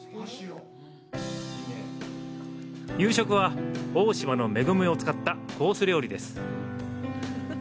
夕食は、大島の恵みを使ったコース料理です。